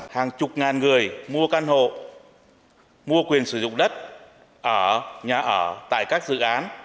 hàng chục ngàn người mua căn hộ mua quyền sử dụng đất ở nhà ở tại các dự án